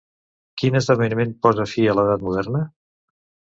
Quin esdeveniment posa fi a l'edat moderna?